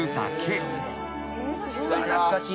懐かしい。